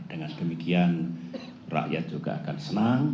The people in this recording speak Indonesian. dengan demikian rakyat juga akan senang